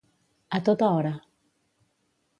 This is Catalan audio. A tota hora.